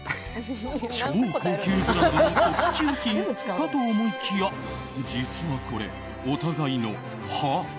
超高級ブランドの特注品かと思いきや実はこれ、お互いの歯。